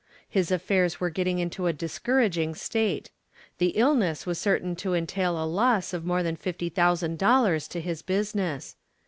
His affairs were getting into a discouraging state. The illness was certain to entail a loss of more than $50,000 to his business.